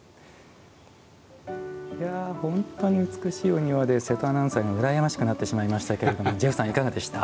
本当に美しいお庭で瀬戸アナウンサーがうらやましくなってしまいましたけどジェフさん、いかがでした？